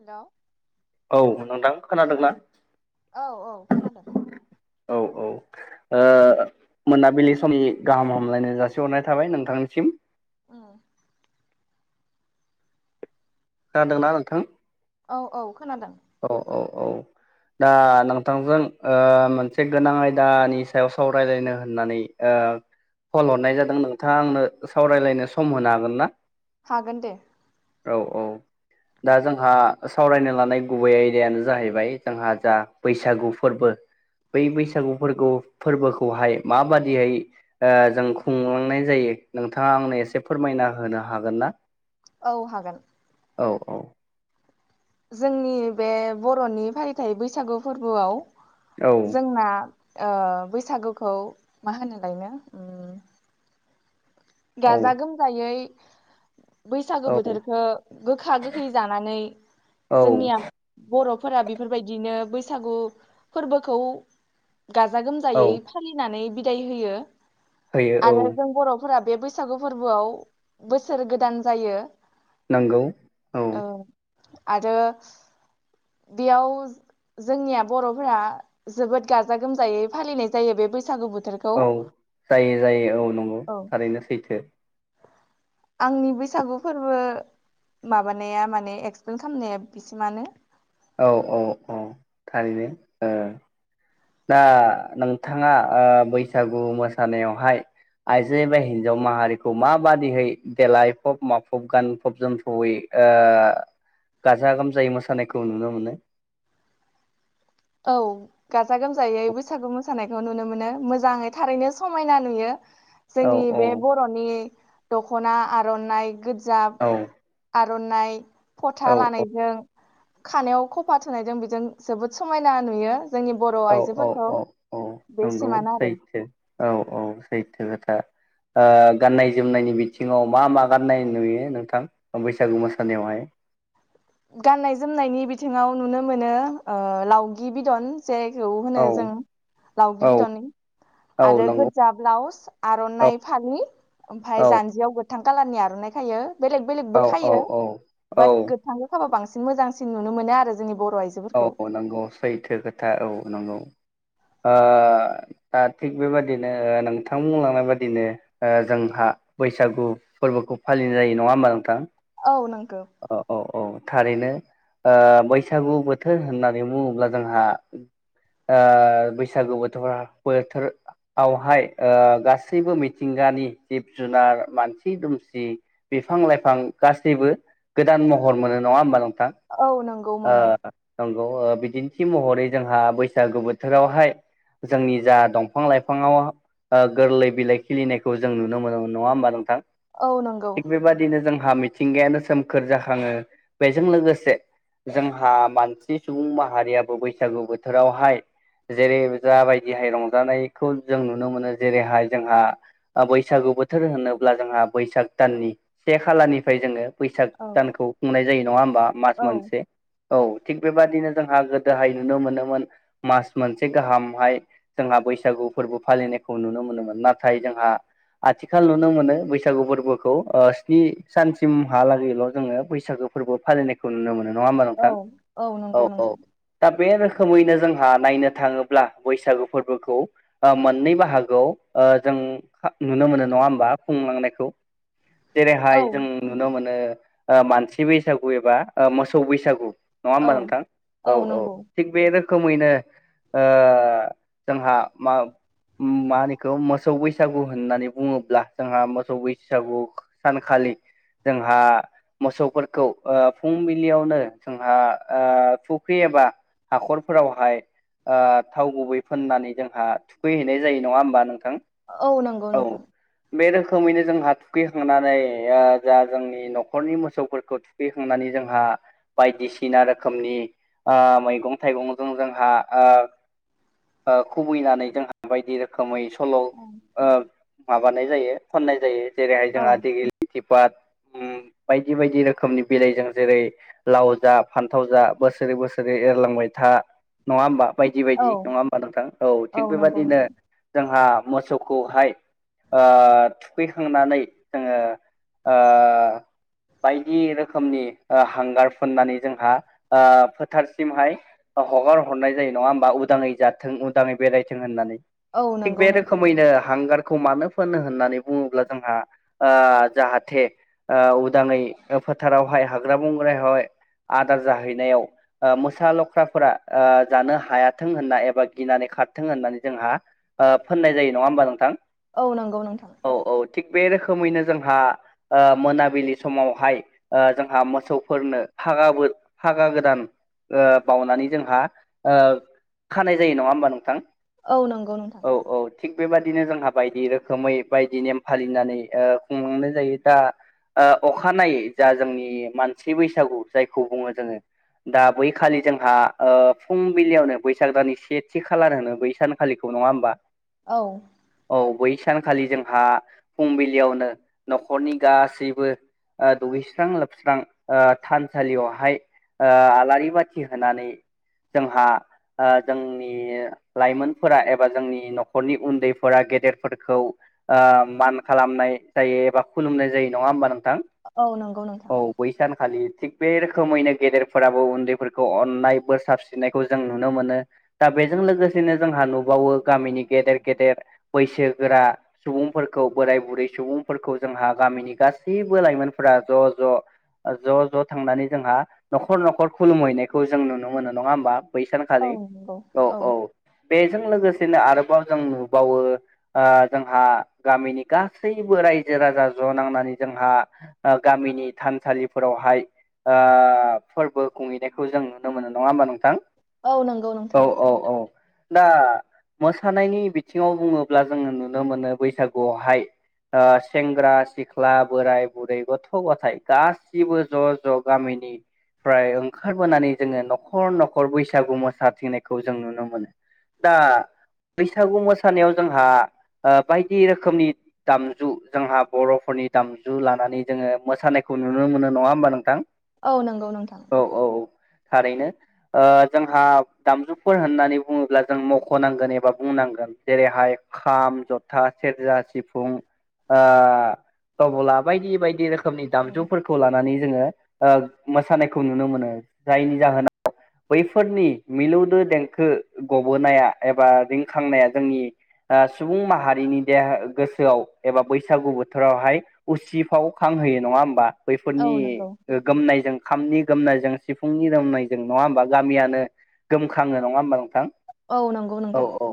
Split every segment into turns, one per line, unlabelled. Hello
औ नोंथां खोनादोंना
औ औ खोनादों
औ औ मोनाबिलि समनि गाहाम हामलायनाय जासिहरनाय थाबाय नोंथांनिसिम
औ
खोनादोंना नोंथां
औ औ खोनादों
औ औ औ दा नोंथांजों मोनसे गोनां आयदानि सायाव सावरायलायनो होननानै कल हरनाय जादों नोंथाङा आंनो सावरायलायनो सम होनो हागोन ना
हागोन दे
औ औ दा जोंहा सावरायनो लानाय गुबै आयदायानो जाहैबाय जोंहा जा बैसागु फोरबो बै बैसागु फोरबो फोरबोखौहाय माबादिहै जों खुंलांनाय जायो नोंथाङा आंनो एसे फोरमायना होनो हागोन ना
औ हागोन
औ औ
जोंनि बे बर'नि फालिथाय बैसागु फोरबोआव
औ
जोंना बैसागुखौ मा होनो लायनो
औ
गाजा गोमजायै बैसागु
औ
बोथोरखो गोखा गोखै जानानै
औ
जोंनिया बर' फोरा बेफोरबायदिनो बैसागु फोरबोखौ गाजा
औ
गोमजायै फालिनानै बिदाय होयो
होयो औ
आरो जों बर'फोरा बे बैसागु फोरबोआव बोसोर गोदान जायो।
नांगौ औ।
ओ आरो बेयाव जोंनिया बर'फोरा जोबोद गाजा गोमजायै फालिनाय जायो बे बैसागु बुथोर
औ जायो जायो औ नंगौ थारैनो सैथो।
आंनि बैसागु फोरबो माबानाया माने एक्सप्लेन खालामनाया बिसि मानो
औ औ औ थारैनो ओ दा नोंथाङा बैसागु मोसानायावहाय आइजो एबा हिन्जाव माहारिखौ माबादिहै देलायफब माफब गानफब जोमफबै ओ गाजा गोमजायै मोसानायखौ नुनो मोनो।
औ गाजा गोमजायै बैसागु मोसानायखौ नुनो मोनो मोजाङै थारैनो समायना नुयो।
औ
जोंनि
औ
बे बर'नि दख'ना आर'नाइ गोजा
औ औ
[unintelligible] समायना नुयो। जोंनि बर'
औ औ
आइजोफोरखौ
औ औ नंगौ
बेसिमानो आरो
सैथो औ औ सैथो खोथा। ओ गाननाय जोमनायनि बिथिङाव मा मा गाननाय नुयो नोंथां बैसागु मोसानायावहाय। [inaudible]
गाननाय जोमनायनि बिथिङाव नुनो मोनो लावगि बिदन। जायखौ होनो
औ
जों लावगि
औ
बेदननि।
औ
आरो
नंगौ
गोजा ब्लाउस
औ
आर'नाइ फालि ओमफ्राय
औ
जान्जियाव गोथां। कालारनि आर'नाइ खायो बेलेक बेलेकबो
औ औ
खायो
औ
बा
औ
बा बांसिन मोजांसिन नुनो मोनो आरो जोंनि बर'
औ
आइजोफोरखौ
नंगौ सैथो खोथा औ नंगौ। ओ दा थिग बेबादिनो नोंथां बुंलांनाय बादिनो जोंहा बैसागु फोरबोखौ फालिनाय जायो नङा होमबा नोंथां?
औ नंगौ
अ औ औ थारैनो ओ बैसागु बोथोर होननानै बुङोब्ला जोंहा ओ बैसागु बोथोर-बोथोरावहाय गासैबो मिथिंगा गानि जिब जुनार मानसि दुमसि बिफां लाइफां गासैबो गोदान महर मोनो नङा होमब नों
औ नंगौ मोनो।
औ बिदिन्थि महरै जोंहा बैसागु बोथोरावहाय जोंनि जा दंफां लाइफाङाव ओ गोरलै बिलाइ खिलिनायखौ जों नुनो मोनो नङा होमबा नोंथां?
औ नंगौ
थिग बेबादिनो जोंहा मिथिंगायानो सोमखोर जाखाङो बेजों लोगोसे जोंहा मानसि सुबुं माहारियाबो बैसागु बोथोरावहाय जेरै जाबायदिहाय रंजानायखौ जों नुनो मोनो जेरैहाय जोंहा ओ बैसागु बोथोर होनोब्ला जोंहा बैसाग दाननि से खालानिफ्राय जोङो बैसाग
औ
दानखौ खुंनाय जायो नङा होमबा मास
औ
मोनसे औ थिग बेबादिनो जोंहा गोदोहाय नुनो मोनोमोन मास मोनसे गाहामहाय जोंहा बैसागु फोरबो फालिनायखौ नुनो मोनोमोन नाथाय जोंहा आथिखाल नुनो मोनो बैसागु फोरबोखौ ओ स्नि सानसिमहालागैल' जोङो बैसागो फोरबो फालिनायखौ नुनो मोनो नङा होमबा
औ
नोंथां?
नंगौ
औ औ
नोंथां
थाब बे रोखोमैनो जोंहा नायनो थाङोब्ला बैसागु फोरबोखौ ओ मोननै बाहागोआव ओ जों नुनो मोनो नङा होमबा खुंलांनायखौ?
औ
जेरैहाय जों नुनो मोनो मानसि बैसागु एबा मोसौ बैसागु नङा
औ
होमबा नोंथां? औ औ थिग बे रोख खोमैनो जोंहा मा मा होनोखौ मोसौ बैसागु होननानै बुङोब्ला जोंहा मोसौ बैसागु सानखालि जोंहा मोसौफोरखौ ओ फुंबिलियावनो जोंहा ओ फुख्रि एबा हाखरफोरावहाय ओ थाव गुबै फोननानै जोंहा थुखैहैनाय जायो नङा होमबा नों
औ नंगौ नोंथां।
बे रोखोमैनो जोंहा थुखैखांनानै ओ जा जोंनि न'खरनि मोसौ मोसौफोरखौ थुखैखांनानै जोंहा बायदिसिना रोखोमनि ओ मैगं थाइगंजों जोंहा ओ ओ खुबैनानै जोंहा बायदि रोखोमै सल' ओ
औ
माबानाय जायो खननाय जायो जेरैहाय जोंहा [unintelligible] बा ओम बाय दि बायदि रोखोमनि बिलाइजों जेरै लाव जा फान्थाव जा बोसोरै बोसोरै एरलांबाय था नङा होमबा बायदि
औ
बायदि नङा होमबा नोंथां औ थिग
नंगौ
बेफोरबादिनो
नोंथां
जोंहा मोसौखौहाय ओ थुखैखांनानै जोङो ओ बायदि रोखोमनि हांगार फुननानै जोंहा ओ फोथारसिमहाय हगार हरनाय जायो नङा होमबा उदाङै जाथों उदाङै बेरायथों होननानै
औ
थिग
नंगौ
बे
नोंथां
रोखोमैनो हांगार खौ मानो फुनो होननानै बुङोब्ला जोंहा ओ जाहाथे ओ उदाङै फोथारावहाय हाग्रा बंग्रायावहाय आदार जाहैनायाव ओ मोसा लख्राफोरा ओ जानो हायाथों होनना एबा गिनानै खारथों होननानै जोंहा फोननाय जायो नङा होमबा नोंथां?
औ नंगौ नोंथा।
औ औ थिग बे रोखोमैनो जोंहा मोनाबिलि समावहाय ओ जोंहा मोसौफोरनो फागाबो फागा गोदान ओ बावनानै जोंहा ओ खानाय जायो नङा होमबा नोंथां?
औ नंगौ नोंथां।
औ औ थिग बेबादिनो जोंहा बायदि रोखोमै बायदि नेम फालिनानै खुंलांनाय जायो दा ओ अखानायै जा जोंनि मानसि बैसागु जायखौ बुङो जोङो दा बैखालि जोंहा फुंबिलियावनो बैसाग दाननि सेथि खालार होनो बै सानखालिखौ नङा होमबा?
औ।
औ बै सानखालि जोंहा फुंबिलियावनो न'खरनि गासैबो दुगैस्रां लोबस्रां ओ थानसालियावहाय ओ आलारि बाथि होनानै जोंहा ओ जोंनि लाइमोनफोरा एबा जोंनि न'खरनि उन्दैफोरा गेदेरफोरखौ ओ मान खालामनाय जायो एबा खुलुमनाय जायो नङा होनबा नोंथां?
औ नंगौ नोंथां
औ बै सान खालि थिग बे रोखोमैनो गेदेरफोराबो उन्दैफोरखौ अननाय बोर सारस्रिनायखौ जों नुनो मोनो। दा बेजों लोगोसेनो जोंहा नुबावो गामिनि गेदेर गेदेर बैसोगोरा सुबुंफोर- फोरखौ बोराय बुरै सुबुंफोरखौ जोंहा गामिनि गासैबो लाइमोनफोरा ज' ज' ज' ज' थांनानै जोंहा न'खर न'खर खुलुमहैनायखौ जों नुनो मोनो नङा होमबा बै
औ
सानखालि
नंगौ औ
औ-औ बेजों लोगोसेनो आरोबाव जों नुबावो जोंहा गामिनि गासैबो रायजो राजा ज' नांनानै जोंहा गामिनि थानसालिफोरावहाय ओ फोरबो खुंहैनायखौ जों नुनो मोनो नङा होमबा नोंथां?
औ नंगौ
औ
नोंथां।
औ दा मोसानायनि बिथिङाव बुङोब्ला जोङो नुनो मोनो बैसागुआवहाय ओ सेेंग्रा सिख्ला सिख्ला बोराइ बुरै गथघ' गथाय गासिबो ज' ज' गामिनि फ्राय ओंखारबोनानै जोङो न'खर न'खर बैसागु मोसाथिनायखौ जों नुनो मोनो। दा बैसागु मोसानायाव जोंहा ओ बायदि रोखोमनि दामजु जोंहा बर'फोरनि दामजु लानानै जोङो मोसानायखौ नुनो मोनो नङा होमबा नोंथां?
औ नंगौ नोंथां।
औ औ थारैनो ओ जोंहा दामजुफोर होननानै बुङोब्ला जों मख'नांगोन एबा बुंनांगोन जेरैहाय खाम जथा सेरजा सिफुं तबला बायदि बायदि रोखोमनि
औ
दामजुफोरखौ लानानै जोङो मोसानायखौ नुनो मोनो जायनि जाहोनाव बैफोरनि मिलौदो देंखो गबोनाया एबा रिंखांनाया जोंनि सुबुं माहारिनि देहा गोसोआव एबा बैसागु बोथोरावहाय उसिफाव खांहोयो नङा होमबा बैफोरनि
औ नंगौ
गोमनायजों खामनि गोोमनायजों सिफुंनि रोमनायजों नङा होमबा गामियानो गोमखाङो नङा होमबा नोंथां?
औ नंगौ
औ
नोंथां।
औ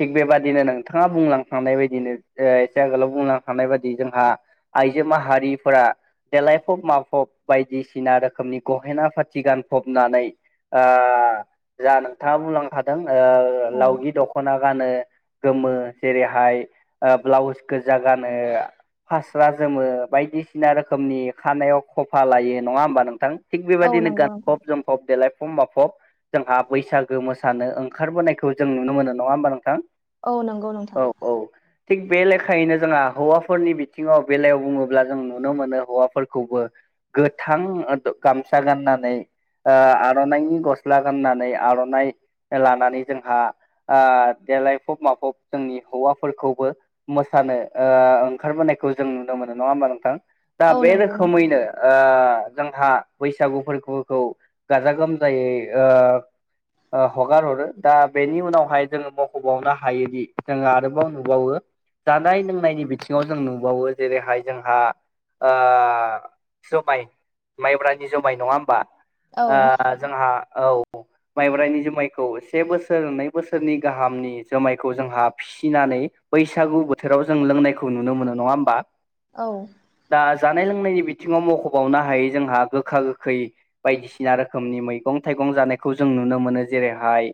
थिग बेबादिनो नोंथाङा बुंलांखांनाय बायदिनो एसे आगोलाव बुंलांखांनाय बायदि जोंहा आइजो माहारिफोरा देलायफब माफब बायदिसिना रोखोमनि गहेना फार्थि गानफबनानै ओ जा नोंथाङा बुंलांखादों
औ
लावगि दख'ना गानो गोमो जेरैहाय ओ ब्लाउस गोजा गानो फार जोमो बायदिसिना रोखोमनि खानायाव खफा लायो नङा होमबा नोंथां? थिग
औ
बेबायदिनो
नंगौ नोंथां
गानफब जोमफब देलाय माफम माफब जोंहा बैसागो मोसानो ओंखारबोनायखौ जों नुनो मोनो नङा होमबा नोंथां।
औ नंगौ नोंथां।
औ औ थिग बे लेखायैनो जोंहा हौवाफोरनि। बिथिङाव बेलायाव बुङोब्ला जों नुनो मोनो हौवाफोरखौबो। गोथां गामसा गाननानै। ओ-आरनाइनि गस्ला गाननानै आरनाइ लानानै जोंहा ओ-देलायफब माफब जोंनि हौवाफोरखौबो मोसा नो ओ-ओंखारबोनाय खौ जों नुनो मोनो नङा होमबा नोंथां दा
औ
बे
नंगौ नोंथां
रोखोमैनो ओ जोंहा बैसागुफोर-खौ खौ गाजा गोमजायै ओ ओ-हगार हरो दा बेनि उनावहाय जोङो मखबावनो हायोदि जोङो आरोबाव नुबावो। जानाय लोंनायनि बिथिङाव जों नुबावो जेरैहाय जोंहा। ओ-जुमाय माइब्रानि जुमाय नङा होमबा।
औ
ओ-जोंहा औ माइब्रायानि जुमायखौ से बोसोर नै बोसोरनि गाहामनि जोमायखौ जोंहा फि फिनानै बैसागु बोथोराव जों लोंनायखौ नुनो मोनो नङा होमबा।
औ
दा जानाय लोंनायनि बिथिङाव मखबावनो हायै जोंहा गोखा गोखै बायदिसिना रोखोमनि मैगं थाइगं। जानायखौ जों नुनो मोनो जेरैहाय।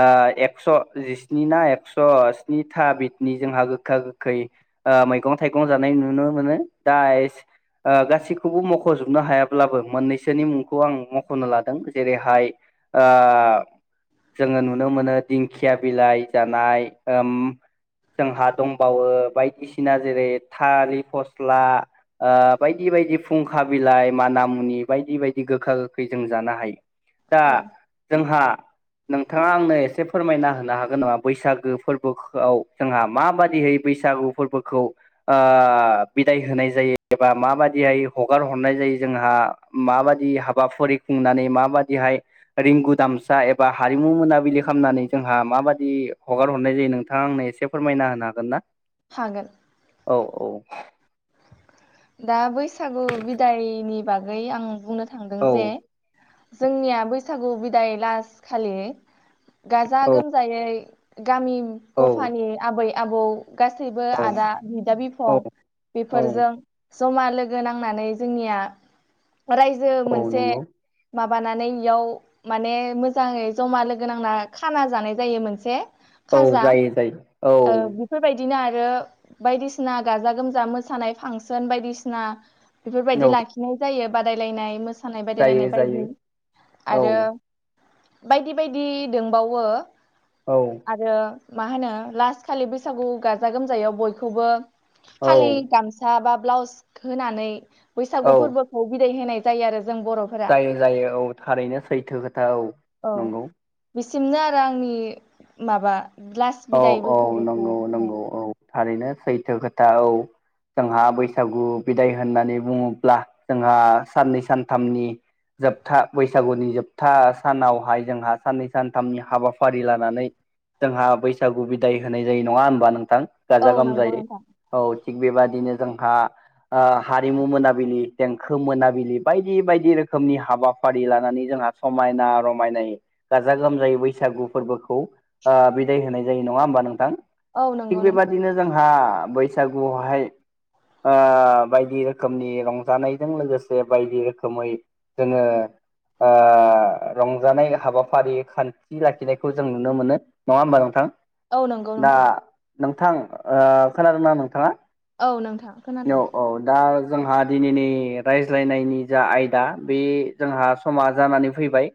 ओ-एक्स जिस्नि ना एकस स्नि था बिदनि जोंहा गोखा गोखै। ओ-मैगं थाइगं जानाय नुनो मोनो दा ओ-गासैखौबो मखजोबनो हायाब्लाबो मोननैसोनि मुंखौ आं मखनो लादों जेरैहाय आ जोङो नुनो मोनो दिंखिया बिलाइ जानाय उम। जोंहा दंबावो बायदिसिना जेरै थालिर फस्ला ओ-बायदि बायदि फुंखा बिलाइ माना मुनि बायदि बायदि गोखा गोखै जों जानो हायो दा
औ
जोंहा। नोंथाङा आंनो एसे फोरमायना होनो हागोन नामा बैसागो फोरबोआव जोंहा माबाददियै बैसागु फोरबोखौ। ओ-बिदाय होनाय जायो एबा माबादिहाय हगार हरनाय जायो जोंहा माबाददि? हाबाफारि खुंनानै माबाददिहाय रिंगु दामसा एबा हारिमु मोनाबिलि खालामनानै जों। माबायदि हगार हरनाय जायो नोंथाङा आंनो एसे फोरमायना होनो हागोन ना?
हागोन।
औ औ
दा बैसागु बिदायनि बागै आं बुंनो थांदों
औ
जे। जोंनिया बैसागु बिदाय लास खालि गाजा
औ
गोमजायै। गामि
औ
गफानि आबै आबौ। गासैबो आदा
औ
बिदा बिफां
औ औ
बेफोरजों। जमा लोगो नांनानै जोंनिया रायजो
औ
मोनसे।
नंगौ
माबानानै इयाव माने मोजाङै जमा लोगो नांना खाना जानाय जायो मोनसे।
औ
खाजा
जायो जायो
औ बेफोरबायदि। बिदिनो आरो बायदिसिना गाजा गोमजा मोसानाय फांसन बायदिसिना बेफोरबायदि
औ
लाखिनाय जायो बादायलायनाय मोस मोसानाय बादायलायनाय
जायो
बायदि
जायो औ
आरो बायदि बायदि दोंबावो
औ
आरो मा होनो लास्ट खालि बैसागु गाजा गोमजायाव बयखौबो फालि
औ
गामसा बा ब्लाउस होनानै बैसागु
औ
फोरबोखौ बिदाय होनाय जायो आरो। जों बर'फोरा
जायो जायो औ थारैनो सैथो खोथा औ नंगौ।
सिमनो आरो आंनि माबा लास्ट
औ
बिदाय
औ
बैसागुखौ
नंगौ
होनाया
नंगौ औ थारैनो सैथो खोथा औ। जोंहा बैसागु बिदाय होननानै बुङोब्ला जोंहा साननै सानथामनि जोबथा बैसागुनि जोबथा सानावहाय जोंहा साननै सानथामनि हाबाफारि लानानै जोंहा बैसागु बिदाय होनाय जायो नङा होनबा नोंथां?
औ
गाजा
नंगौ
गोमजायै
नोंथां
औ। थिग बेबादिनो जोंहा ओ हारिमु मोनाबिलि देंखो मोनाबिलि बायदि बायदि रोखोम रोखोमनि हाबाफारि लानानै जोंहा समायना रमायनायै गाजा गोमजायै बैसागु फोरबोखौ ओ बिदाय होनाय जायो नंङा होमबा नोंथां।
औ
थिग
नंगौ नोंथां
बेबादिनो जोंहा बैसागुआवहाय ओ बायदि रोखोमनि रंजानायजों लोगोसे बायदि रोखोमै जोंङो ओ रंजानाय हाबाफारि खान्थि लाखिनायखौ जों नुनो मोनो नंङा होमबा नोंथां?
औ नंगौ
दा
नोंथां।
नोंथां ओ खोनादों ना नोंथाङा?
औ नोंथां खोनादों
औ औ दा जोंहा दिनैनि रायज्लायनायनि जा आयदा बे जोंहा समा जानानै फैबाय